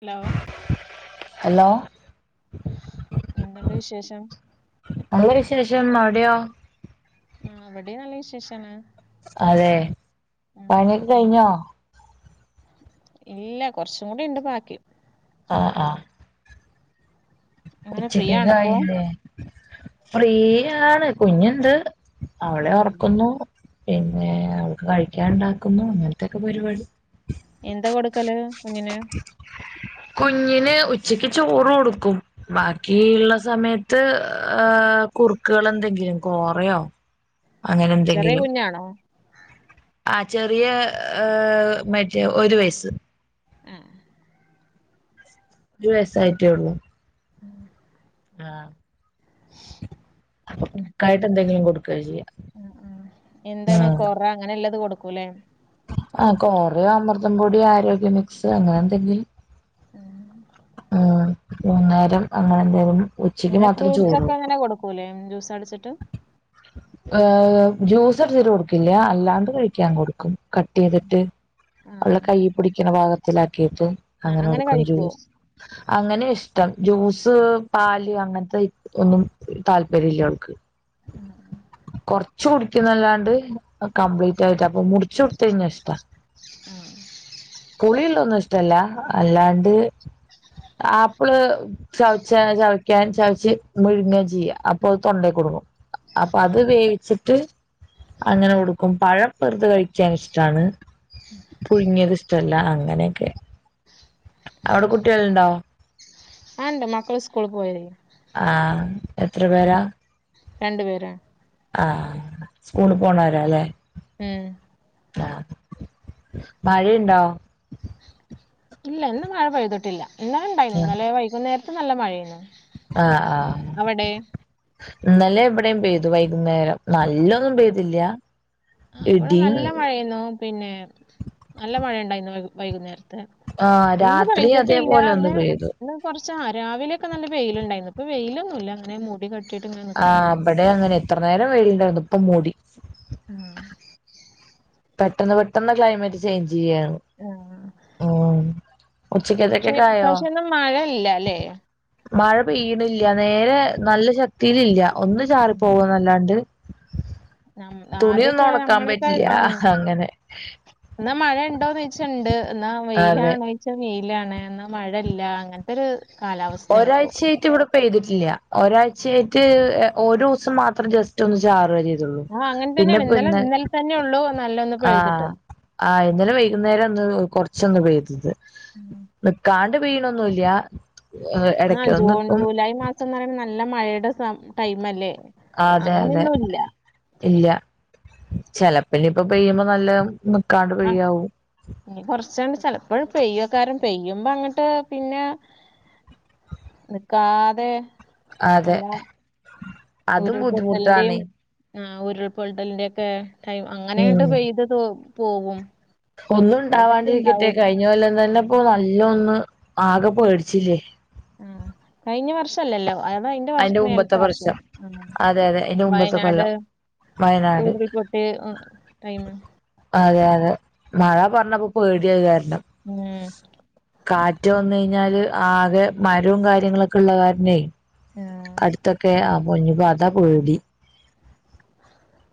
Hello hello എന്തുണ്ട് വിശേഷം നല്ല വിശേഷം അവിടെയോ ആഹ് ഇവ്ടെയും നല്ല വിശേഷാണ് അതെ ആ പണ്യൊക്കെ എന്താ കയ്ഞ്ഞോ ഇല്ല കാെർച്ചും കൂടിണ്ട് ബാക്കി ആഹ് ആഹ് ഇങ്ങനെ ഫ്രീ ആണിപ്പോ? ഉച്ചെക്കേക്കായില്ലേ ഫ്രീയാണ് കുഞ്ഞുണ്ട് അവെളെ ആ ഒർക്കുന്നു പിന്നേ അവൾക്ക് കഴിക്ക്യാൻ ണ്ടാക്കുന്നു അങ്ങൻത്താെക്കെ ഉം. പര്‌വാടി എന്താ കൊടുക്കെല് കുഞ്ഞിന് കുഞ്ഞിന് ഉച്ചക്ക്യ് ചോറ് കൊടുക്കും ബാക്കീള്ള സമയത്ത് ഏഹ് കുറ്ക്ക്കളെന്തെങ്കിലും കാേറെയോ ആഹ് ചെറിയ കുഞ്ഞാണോ ആഹ് ചെറിയെ ഏഹ് മറ്റെ ഒര് വയസ്സ് അഹ് രു വയസ്സായിറ്റേ ഒള്ളു ഉം ആഹ് അപ്പം കുക്കായ്ട്ടെന്തെങ്കിലും കൊട്ക്കാ ചെയ്യാ ആഹ് ആഹ് എന്താണ് ഉം കൊറാ അങ്ങനെല്ലെത് കൊട്ക്കൂലേ ആഹ് കാേറയോ അമൃതം പൊടി ആരോഗ്യമിക്സ് അങ്ങനെന്തെങ്കിലും ഉം ഉം മൂന്ന് നേരം അങ്ങെനെ എന്തെങ്കിലും ങ്ങെനെ ഫ്രൂട്ട്സാെക്കെങ്ങെനെ കൊട്ക്കൂലേ ജൂസടിച്ചിട്ട് ഏഹ് ജൂസട്ച്ച്ട്ട് കൊട്ക്കൽല്ല്യാ അല്ലാണ്ട് കഴിക്ക്യാൻ കൊട്ക്കും ഉം. കട്ടെയ്തിട്ട് ആ ആ അവളെ കയ്യിപിടിക്ക്ണ ഭാഗത്തിലാക്കീട്ട് ആ അങ്ങെനെ അങ്ങനെ കൊട്ക്കും കഴിക്കുവോ? ജൂസ് അങ്ങനെ ഇഷ്ടം. ജ്യൂസ് പാല് അങ്ങനത്തെ ഒന്നും താല്പര്യ ല്ല അവൾക്ക്. ആഹ് കൊർച്ച് കുടിക്കുന്നല്ലാണ്ട് കംപ്ലീറ്റ് ആയിട്ട് അപ്പൊ മുടച്ച് കൊടുത്ത കഴിഞ്ഞാ ഇഷ്ടാ. ആഹ്. പുളിള്ളൊന്നും ഇഷ്ടല്ല. അല്ലാണ്ട് ആപ്പിള് ചവച്ച ചവയ്ക്കാൻ ചവച്ച് വിഴുങ്ങ ചെയ്യാ. അപ്പൊ തൊണ്ടെ കൊടുങ്ങും. അപ്പൊ അത് വേവിച്ചിട്ട് അങ്ങനെ കൊടുക്കും. പഴ പ്പെറുത കഴിക്കാൻ ഇഷ്ടാണ്. പുഴുങ്ങിയത് ഇഷ്ടല്ല. അങ്ങനെക്കെ. അവിടെ കുട്ടികളുണ്ടോ? ആഹ് ണ്ട്. മക്കള് സ്കൂള് പോയിണ്. ആഹ്. എത്ര പേരാ. രണ്ടു പേര ആഹ് സ്കൂള് പോണോരാ. ല്ലെ ഉം ആഹ്. മഴണ്ടോ? ഇല്ല. ഇന്ന് മഴ പെയ്തിട്ടില്ല. ഇന്നലെ ആ ഉണ്ടായിരുന്നു. വൈകുന്നേരത്ത് നല്ല മഴെനു. ആഹ് ആഹ് ഇന്നലെ വിടെയും പെയ്തു. വൈകുന്നേരം. നല്ലൊന്നും പെയ്തില്ല. ആഹ് ഇവിടെ ഇടിയും നല്ല മഴെന്നു. പിന്നെ നല്ല മഴയുണ്ടായിരുന്നു വൈകുന്നേരം. തെ. ആ ഇന്ന് രാത്രി പേഴ്തിട്ടില്ല. അതേപോലെ ഒന്ന് പെയ്തു ന്ന് കൊർച്ച ആഹ് രാവിലൊക്കെ നല്ല വെയിലുണ്ടായിരുന്നു. പ്പ വെയിലൊന്നുല്ല. അങ്ങനെ മൂടി കേട്ടിയിട്ട് ഇങ്ങനെ നിക്കുന്നു. ഇവിടെ അങ്ങനെ. എത്ര നേരം വേയില്ണ്ടായിരുന്നു. ഇപ്പം മൂടി. ആഹ് പെട്ടെന്ന് പെട്ടെന്ന് ക്ലൈമറ്റ് ചേഞ്ച് ചെയ്യാണ്. ആഹ് ഉം ക്ഷെ ഉച്ചക്കത്തേക്കൊക്കെ ആയോ ഇപ്രാവശ്യം ന്നും മഴല്ല ലേ. മഴ പെയ്യണില്ല. നേരെ നല്ല ശക്തിൽ ല്ല. ഒന്ന് ഉം. ചാറിപ്പോകല്ലാണ്ട്. നം ആദ്യൊക്കെ ഒണക്കാൻ നമ്മളൊക്കെ പറ്റില്ല ആഹ് അങ്ങനെ എന്നാ മഴ ഉണ്ടോന്ന് ചോദിച്ച ണ്ട് എന്നാ അതെ വെയിലാണ ചോദിച്ചാ മെയിലാണ്. എന്നാ മഴല്ല അങ്ങനെ. ത്തൊരു കാലാവസ്ഥയാണ് ഇപ്പോ. പേയ്തിട്ടില്ല. ഒരാഴ്ചയായിട്ട് ഒരൂസം മാത്രം ജസ്റ്റ് ഒന്ന് ചാറ് വ ചെയ്. ഉം. ആ അങ്ങനെ തന്നെയാണ് ഇന്നലെ പിന്നെപ്പോന്ന് ഇന്നലെ തന്നെ ഉള്ളൂ. നല്ലൊന്ന് പെയ്തിട്ട് ആഹ് ആഹ് ഇന്നലെ വൈകുന്നേരം ന്ന് കൊറച്ചൊന്ന് പെയ്തത്. ഉം. നിക്കാണ്ട് പെയ്യിണൊന്നുല്ല. ഇടക്കന്ന് ഇപ്പൊ ന്നറണ നല്ല മഴയുടെ ടൈം അല്ലേ. ആഹ് അതെ അതെ. ഇല്ല. ചെലപ്പിന് ഇപ്പ പെയ്യുമ്പോ നല്ല നക്കാണ്ട് പെയ്യാവു. ഇഞ്ഞി കൊറച്ചണ്ട് ചെലപ്പോ പെയ്യക്കാരം. പെയ്യുമ്പോ അങ്ങട്ട് പിന്നെ നിക്കാതെ അതെ വല്ല അതും ഉരുൾപൊട്ടലിന്റെയും ബുദ്ധിമുട്ടാണ് ആഹ് ഉരുൾപൊട്ടലിന്റെ ഒക്കെ ടൈം. അങ്ങനെട്ട് പെയ്ത് പോവും. പിന്നെട്ട് ഒന്നുണ്ടാവാണ്ടിരിക്കട്ടെ. ഇണ്ടാവൂല കഴിഞ്ഞ കൊല്ലം തന്നെ ഇപ്പൊ നല്ല ഒന്ന് ആകെ പേടിച്ചില്ലേ. ഉം. കഴിഞ്ഞ വർഷല്ലല്ലോ. അതയി വർഷ അയിന്റെ മുമ്പത്തെ മേലത്തെ വർഷോ. വർഷം ഉം അതെ അതെ അയിന്റെ മുമ്പത്തെ വയനാട്. കൊല്ലം വയനാട് ഉരുൾ പൊട്ടിയ ടൈംമ് അതെ അതെ മഴ പറഞ്ഞപ്പോ പേടിയ അത് കാരണം ഉം കാറ്റ് വന്ന് കഴിഞ്ഞാല് ആകെ മരവും കാര്യങ്ങളൊക്കെ ഉള്ള കാരനെ ആഹ് അടുത്തൊക്കെ ആ പൊഞ്ഞു അത പേടി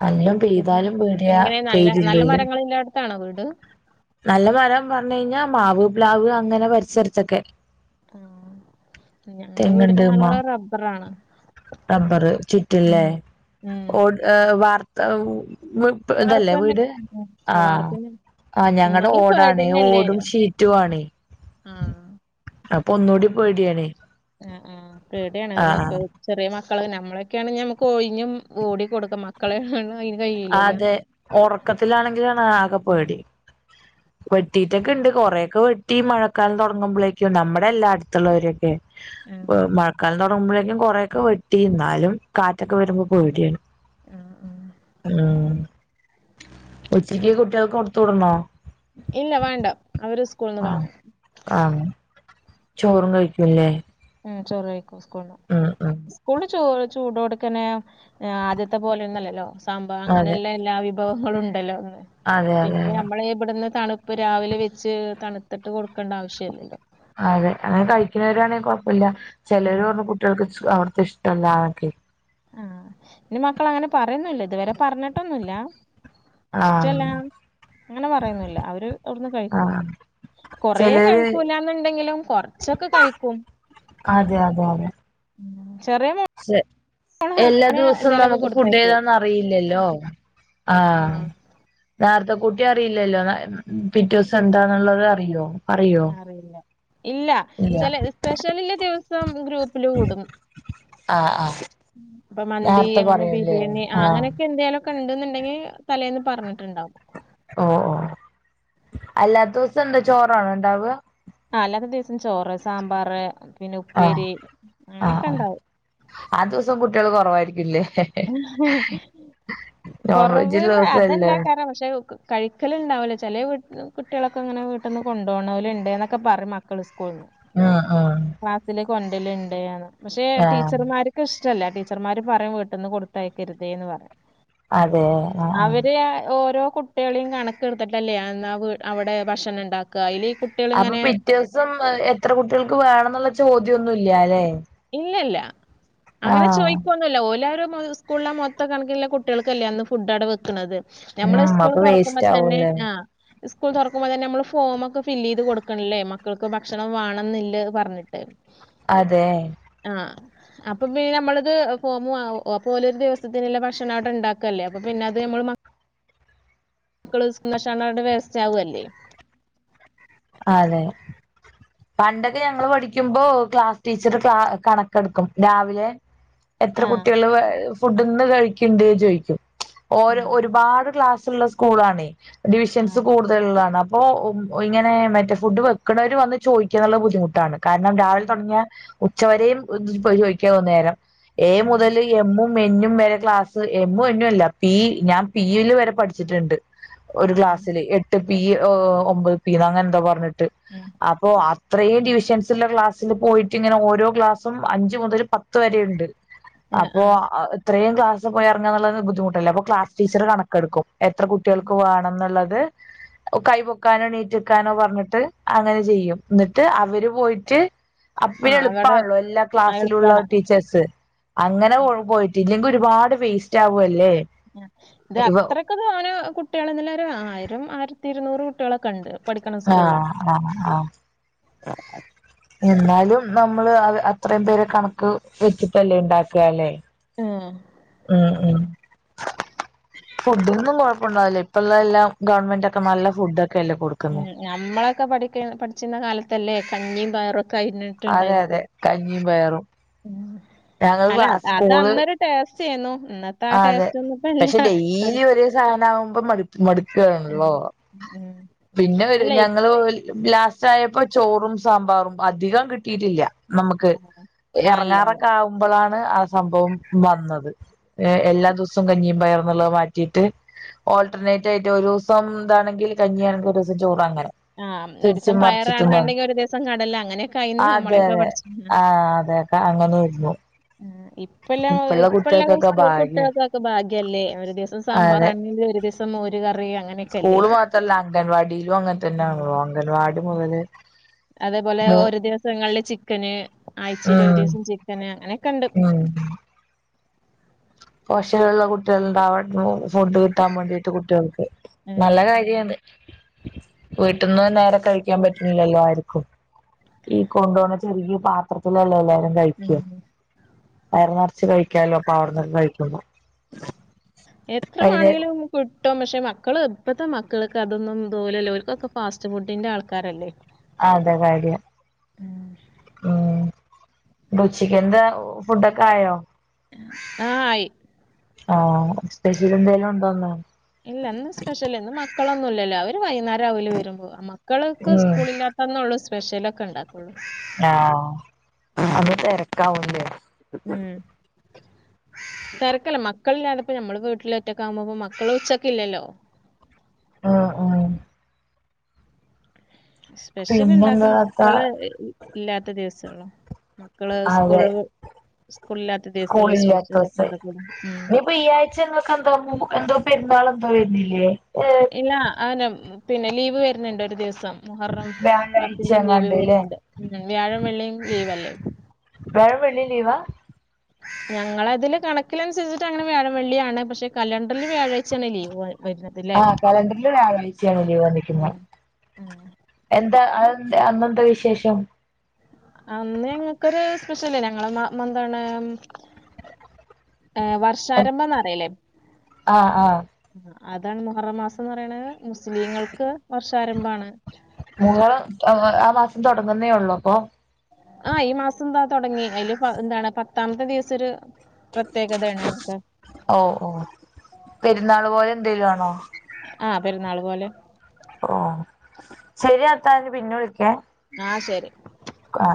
നല്ലോം ഇവിടെ പെയ്താലും പേടിയ പെയ്തില്ലേലും ഇതാണോ വീട് നല്ല മരം പറഞ്ഞു കഴിഞ്ഞാൽ മാവ് പ്ലാവ് അങ്ങനെ പരിസരത്തൊക്കെ ആഹ് ഞങ്ങള് തെങ്ങുണ്ട് വീടിന്റെ മേലെ റബ്ബറാണ് റബറ് ചുറ്റുല്ലേ ഉം ഉം ഓ വാർത്ത ഓ ഇതല്ലേ വാർപ്പന്നെ വീട് ഉം ആഹ് വാർപ്പന്നെ ആഹ് ഞങ്ങളടെ എന്നാലും ഓടാണേ പേടിയന്നല്ലേ ഓടും ഷീറ്റും ആണേ ആഹ് അപ്പൊ ഒന്നുകൂടി പേടിയാണേ ആഹ് ആഹ് പേടിയാണ് മക്ക ചെറിയ മക്കള് നമ്മളൊക്കെയാണെ നമുക്ക് ഒഴിഞ്ഞും ഓടി കൊടുക്ക മക്കളാണ് അയിന് കഴിയില്ലല്ലോ അതെ ഉറക്കത്തിലാണെങ്കിലാണ് ആകെ ഉം പേടി വെട്ടിട്ടൊക്കെ ഉണ്ട് കൊറെയൊക്കെ വെട്ടി മഴക്കാലം തുടങ്ങുമ്പോളേക്കും നമ്മുടെ അല്ലാ അടുത്തുള്ളവര് ഏ ആഹ് മഴക്കാലം തൊട ങ്ങുമ്പളേക്കും കുറെയൊക്കെ വെട്ടി എന്നാലും കാറ്റൊക്കെ വരുമ്പോ പേടിയാണ് ആഹ് ആഹ് ഉം ഉച്ചക്ക് കുട്ടികൾക്ക് കൊടുത്ത് വിടണോ ഇല്ല വേണ്ട അവര് സ്കൂളിൽ നിന്ന് ആഹ് വാങ്ങും ആഹ് ചോറും കഴിക്കുംല്ലേ ഉം ചോറ് കഴിക്കും സ്കൂളിന്ന് ഉം സ്കൂള് ചോ ചൂടോടുക്കനെ ആഹ് ആദ്യത്തെ പോലെ ഒന്നല്ലല്ലോ സാമ്പാ അതെ അങ്ങനെല്ലയെല്ല വിഭവങ്ങളും ഉണ്ടല്ലോ ഒന്ന് അതെ അതെ പിന്നെ അതെ നമ്മള ഇവിടുന്ന് തണുപ്പ് രാവിലെ വെച്ച് തണുത്തിട്ട് കൊടുക്കേണ്ട ആവശ്യല്ലല്ലോ അതെ അങ്ങനെ കഴിക്കുന്നവരാ ആണെങ്കിൽ കുഴപ്പമില്ല ചിലർ പറഞ്ഞ കുട്ടികൾക്ക് അവിടുത്തെ ഇഷ്ടല്ലാന്നൊക്കെ ആഹ് ഇ മക്കള അങ്ങനെ പറയുന്നില്ല ഇതുവരെ പറഞ്ഞിട്ടൊന്നുമില്ല ആഹ് ഇഷ്ടല്ല അങ്ങനെ പറയുന്നില്ല അവര് അവിടുന്ന് കഴിക്കും ആഹ് കൊറേ ചെലര് കഴിക്കൂല്ലന്നുണ്ടെങ്കിലും കൊറച്ചൊക്കെ കഴിക്കും അതെ അതെ അതെ ചെറിയ മോ ശ്ശേ എല്ലാ ദിവസവും നമുക്ക് ഫുഡ് കൊടുത്തയക്കുവേ ഏതാന്ന് അറിയില്ലല്ലോ ആഹ് നേരത്തെ കൂട്ടി അറിയില്ലല്ലോ പിറ്റേ ദിവസം എന്താന്നുള്ളത് അറിയോ പറയോ അറിയില്ല ഇല്ല ഇല്ല ചില സ്പെഷ്യൽല്ല ദിവസം ഗ്രൂപ്പിൽ ഇടും ആഹ് ആഹ് അപ്പൊ മന്തി നേരത്തെ അങ്ങനെ പറയൂല്ലേ ബിരിയാണി ആഹ് അങ്ങനെ എന്തെങ്കിലുമൊക്കെഉണ്ടെന്നുണ്ടെങ്കിൽ തലേന്ന് പറഞ്ഞിട്ടുണ്ടാവും ഓഹ് ഓഹ് അല്ലാത്ത ദിവസം എന്താ ചോറാണോ ഉണ്ടാവുക ആഹ് അല്ലാത്ത ദിവസം ചോറ് സാമ്പാർ പിന്നെ ആഹ് ഉപ്പേരി ആഹ് അങ്ങനെയൊക്കെ ഉണ്ടാവും ആഹ് ദിവസം കുട്ടികൾ കുറവായിരിക്കില്ലേ നോൺ കൊറവ് വെജുള്ള ദിവസല്ലേ അതല്ലാക്കാരം പക്ഷേ കഴിക്കല്ണ്ടാവില്ല. ചെലേ വീട്ട് കുട്ട്യേളൊക്കെ ഇങ്ങനെ വീട്ട്ന്ന് കൊണ്ടോണോല് ഇണ്ട് ഇന്നൊക്കെ പറയും മക്കള് സ്കൂള്ന്ന്. ആഹ് ആഹ് ക്ലാസ്സില് കൊണ്ടല്ല്ണ്ട്ന്ന്. പക്ഷെ ആഹ് ടീച്ചർമാര്. ഇഷ്ടല്ല. ടീച്ചർമാര് പറയും വീട്ടിന്ന് കൊടുത്തയക്കരുതേ ഇന്ന് പറയും. അതെ ആഹ് ആഹ് അവര് ഓരോ കു കുട്ട്യേളിം കണക്ക്ട്ത്ത്ട്ടെല്ലേ അന്ന് ആ അവിടെ ഭക്ഷണം ഇണ്ടാക്ക. അതില് അപ്പൊ പിറ്റേ ദിവസം എത്ര കുട്ട്യേൾക്ക് വേണം ഇന്നുള്ള ചോദ്യന്നുല്ലല്ലെ. ഇല്ലല്ല. അങ്ങനെ ചോയിക്ക ഇല്ല ഓലാരും സ്കൂളിലെ മൊത്തം കണക്ക്ള്ള കുട്ട്യേക്കല്ലെ അന്ന് ഫുഡ് അവിടെ വെക്ക്ണത്. നമ്മളെ ഉം സ്കൂൾ അപ്പൊ തൊറക്കുമ്പ വേസ്റ്റ് തന്നെ ആവൂല്ലേ ആഹ്. സ്കൂൾ തൊറക്കുമ്പ തന്നെ നമ്മള് ഫോമൊക്കെ ഫില്ല് ചെയ്ത് കൊടുക്കണില്ലെ. മക്കൾക്ക് ഭക്ഷണം വേണന്നില്ല പറഞ്ഞിട്ട്. അതെ! അഹ് അപ്പൊ പിന്നെ നമ്മളത് ഫോമ് വാങ്ങു. അപ്പ ഓല് ഒരു ദിവസത്തിന്ല്ല ഭക്ഷണം അവിടെ ഉണ്ടാക്കല്ലെ. അപ്പൊ പിന്നെ അത്. മക്കള് [unintelligible] അവിടെ വേസ്റ്റ് ആവെല്ലെ അതെ! പണ്ടൊക്കെ ഞങ്ങള് പഠിക്കുമ്പോ ക്ലാസ് ടീച്ചർ ക കണക്കെടുക്കും. രാവിലെ. എത്ര ആഹ് കുട്ട്യേള് ഫുഡ്ന്ന് കഴിക്ക്ണ്ട് ചോയ്ക്കും. ഓ ആഹ് ഒരുപാട് ക്ലാസ് ഇള്ള സ്കൂളാണെ. ഡിവിഷൻസ് ആഹ് കൂടുതലുള്ളതാണ് അപ്പൊ [unintelligible] ഉം. മറ്റെ ഫുഡ് വെക്ക്ണവര് വന്ന് ചോദിക്കാനുള്ള ബുദ്ധിമുട്ടാണ്. കാരണം രാവിലെ ഉം തൊടങ്ങിയ ഉച്ചവരെയും ചോദിക്കാന്ന നേരം. ഏ മുതല് എമ്മും എന്നും വരെ ക്ലാസ്. എമ്മും എന്നും അല്ല പി ഞാൻ പീല് വരെ പഠിച്ചിട്ട്ണ്ട്. ഒരു ആഹ് ക്ലാസില്. എട്ട് പീ ഒമ്പത് പീന്ന് അങ്ങനെ എന്തോ പറഞ്ഞിട്ട്. ഉം. അപ്പൊ അത്രയും ഡിവിഷൻസില ക്ലാസ്സില് പോയിട്ട് ഇങ്ങനെ ഓരോ ക്ലാസ്സും അഞ്ച് മുതൽ പത്ത് വരെ ഇണ്ട്. ആഹ് അപ്പൊ ആഹ് ഇത്രയും ക്ലാസ്സ് പോയി എറങ്ങ എന്നുള്ളത് ബുദ്ധിമുട്ടല്ലെ. അപ്പൊ ക്ലാസ് ടീച്ചർ കണക്കെടുക്കും. എത്ര കുട്ട്യേൾക്ക് വേണം ഇന്ന്ള്ളത്. കൈ പൊക്കാനെണ ക്കാനോ പറഞ്ഞിട്ട് അങ്ങനെ ചെയ്യും. ഇന്നട്ട് അവര് പോയിട്ട്. അപ്പോ പിന്നെ ആഹ് അവിടെ എളുപ്പമാണല്ലോ എല്ലാ ക്ലാസ്സിലുള്ള എളുപ്പാണ്. ടീച്ചേഴസ്. അങ്ങനെ പോയിട്ട്. ഇല്ലെങ്കിൽ ഒരുപാട് വേസ്റ്റ് ആവോല്ലെ. ഇത് അത്രൊക്കെ തോന കുട്ട്യേള്ന്ന്ല്ല ഒരു ആയിരം ആയിരത്തി ഇരുന്നൂറ് കുട്ട്യേളൊക്കെ ഇണ്ട്. ആഹ്! ആഹ്! ആഹ്! എന്നാലും നമ്മള് അ അത്രയും പേരെ കണക്ക് വെച്ചിട്ടെല്ലേ ഇണ്ടാക്കല്ലേ. ഉം. ഉം ഉം ഫുഡിന്നും ഇപ്പൊണ്ടാവെല്ലെ. ഇപ്പോ ഇള്ളെ എല്ലാം ഗവൺമെന്റ് ഒക്കെ നല്ല ഫുഡ് ഒക്കെല്ലെ കൊടുക് ഉം. ഞമ്മളൊക്കെ പഠിക്ക പഠിച്ചിരുന്ന കാലത്തല്ലെ കഞ്ഞിം പയറും അതെ! അതെ! കഞ്ഞിം, പയറും ഞങ്ങൾ അല്ല ക്ലാസ് അത് അന്നൊരു ടേസ്റ്റേയ്ന്നു ഇന്നത് ആഹ്. അതെ. പക്ഷെ ഡെയിലി ഒരേ സാധനം ആവുമ്പം മടു ഉം, മടുക്കാണല്ലോ. ഉം. പിന്നെ അല്ല ഞങ്ങള് ലാസ്റ്റ് ആയപ്പോ ചോറും, സാമ്പാറും അധികം കിട്ടീട്ടില്ല. നമുക്ക് ഇപ്പ- ആ ഇല്ല ഇല്ല എറങ്ങാറൊക്കെ ആവുമ്പളാണ് ആ സംഭവം വന്നത്. ആ ഏ എല്ലാ ദൂസും കഞ്ഞിം പയറും ന്ന്ള്ളത് മാറ്റിട്ട് ഓൾട്ടർനേറ്റ് ആയിറ്റ് ഒരൂസം താണെങ്കിൽ കഞ്ഞിയാണെങ്കി ഒരൂസം ചോറ് അങ്ങനെ ആഹ് ഒരുസം തിരിച്ചും മറിച്ചിട്ടും വന്നു പയറാണെന്നുണ്ടെങ്കി ഒരു ദിവസം കടല അങ്ങനെയൊക്കെ ആയിന്നു അതെ നമ്മളെക്കെ അതെ പഠിച്ച ആഹ് അങ്ങനെര്ന്നു ഉം ഇപ്പ് ഇപ്പ എല്ലാം ഇപ്പല്ല സ്‌കൂൾ ഭാഗ്യ കുട്ടികൾക്കൊക്കെ ഭാഗ്യല്ലേ ഒരു ദിവസം അതെ സാബാറാണെങ്കിൽ ഒരു ദിവസ മോര് കറി അങ്ങൻ സ്കൂള് മാത്രല്ല അംഗൻവാടീലും അങ്ങൻ തന്നെ ആണല്ലോ അംഗൻവാടി മുതല് അതേപോലെ മു ഒരോ ദിവസങ്ങളില് ചിക്കന് ആയ്ച്ചേല് ഒരു ഉം ദിവസം ചിക്കന് അങ്ങനൊക്ക ഇണ്ട് ഉം പോശകള്ള കുട്ടേൾ ഇണ്ടാവ ഫുഡ് ട്ടാൻ വേണ്ടിട്ട് കുട്ടേൾക്ക് ഉം നല്ല കാര്യണ് വീട്ടിന്ന് നേരെ കഴി ക്യാൻ പറ്റ്ണ് ഇല്ലല്ലോ ആര്ക്കും ഈ കൊണ്ടൊണ ചെറിയ്യ പാ ത്രത്തിലല്ലേ എല്ലാരും കഴിക്ക ഉം വയറ് നെറച്ച് കഴിക്കാലോ അപ്പ അവട്ന്ന് കഴി [inaudible] എത്ര വൈന്നേ വാണേലും കിട്ടും പക്ഷെ മക്കൾ ഇപ്പത്തെ മക്കൾക്ക് അതൊന്നും ന്തോലല്ലോ ഓൽക്കൊക്കെ ഫാസ്റ്റ് ഫുഡിന്റെ ആൾക്കാരല്ലേ ആതെ കാര്യ ഉം ഉച്ചക്ക് എന്താ ഫുഡൊക്കെ ആയോ ആഹ് ആയി ആഹ് സ്പഷിൽ എന്തേലും ഉണ്ടോന്ന് ഇല്ല ന്ന് സ്പെഷ്യല് ഇന്ന് മക്കളൊന്നും ഇല്ലല്ലോ അവര് വൈനേരാവൂലേ വരുമ്പോ മക്കൾക്ക് ഉം സ്കൂളില്ലാ തന്നൊള്ളൂ സ്പെഷ്യലൊക്ക ഇണ്ടാക്കൊള്ളൂ ആഹ് അപ്പ തെരക്കാവുംല്ലേ ഉം തെരക്കല്ല മക്കളില്ലാതെപ്പോ നമ്മള് വീട്ട് ല് ഒറ്റക്കാവുമ്പോപ മക്കൾ ഉച്ചക്ക് ഇല്ലല്ലോ ആഹ് ആഹ് സ്പെഷ്യൽ ഇണ്ടാക്ക പിന്നെന്താ താത്ത മക്കള് ഇ ഇ ഇല്ലാത്ത ദിവസങ്ങള മക്കള് അതെ സ്കൂള് സ്കൂളില്ലാത്ത ദിസോൾ സ്പെഷ്യലൊക്കെ ഇണ്ടാ കൊള്ളൂ ഉം ഇപ്പ ഈ ആഴ്ച്ച ഇങ്ങക്ക് എന്തോ മു എന്തോ പെര്ന്നാൾ എന്തോ വര്ന്നില്ലേ ഏഹ് ഇല്ല ആനം പിന്നെ ലീവ് വര്ന്ണ്ട് ഒരു ദിവസം മുഹറം വ്യാഴാഴ്ച പത്തിന്റെ ലീവ് എങ്ങാണ്ട് ല്ലേ വര്ന്ന്ണ്ട് ഉം വ്യഴം വെളളിം ലീവല്ലേ വ്യാഴം വെള്ളിം ലീവാ ആ ഞങ്ങളെതില് കണക്കിൽ അനുസരിച്ചിട്ട് അങ്ങനെ വ്യാഴം വള്ളിയാണ് പക്ഷെ കലണ്ടറിൽ വ്യാഴാഴ്ച്ചേണ് ലീവ് വ വര്ന്ന് ആഹ് കലണ്ടറിൽ വ്യഴാഴ്ച്ചേണ് ലീവ് വന്നിരിക്ന്നേ ഉം ഉം എന്താ അത് അന്നെന്താ വിശേഷം അന്ന് ഞങ്ങക്കൊര് സ്പെഷ്യല് ഞങ്ങള മ മന്താൺ ഏഹ് വ ർഷാരംഭം ന്നറീലേ ആഹ് ആഹ് ആഹ് അതാണ് മുഹറ മാസന്ന് പറിണത് മുസ്ലിങ്ങൾക്ക് വർഷാരംഭാണ് മുഹറം ആ മാസം തൊടങ്ങുന്നേ ഒള്ളോ അപ്പൊ ആഹ് ഈ മാസം ന്താ തൊടങ്ങി അതില് പ എന്താണ് പത്താമത്തെ ദിവസൊര് പ്രത്യേകതേണ് ഞങ്ങക്ക് ഓഹ് ഓഹ് പെരുന്നാള് പോലെ എന്തേലു ആണോ ആഹ് പെരുന്നാൾ പോലെ ഓഹ് ശരിയാത്ത ഞ് പിന്ന വിളിക്കേ ആഹ് ശരി ആ